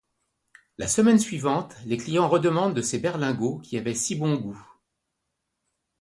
La semaine suivante les clients redemandent de ces berlingots qui avaient si bon goût.